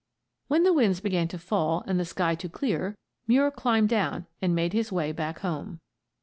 When the winds began to fall and the sky to clear, Muir climbed down and made his way back home.